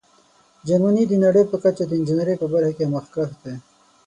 جرمني د نړۍ په کچه د انجینیرۍ په برخه کې مخکښ دی.